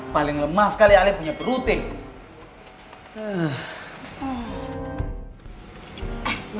paling lemah sekali ale punya protein